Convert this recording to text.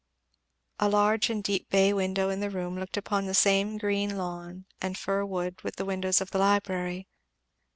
A large and deep bay window in the room looked upon the same green lawn and fir wood with the windows of the library.